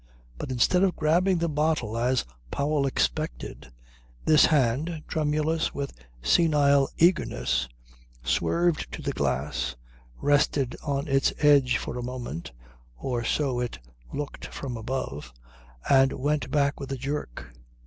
But instead of grabbing the bottle as Powell expected, this hand, tremulous with senile eagerness, swerved to the glass, rested on its edge for a moment (or so it looked from above) and went back with a jerk.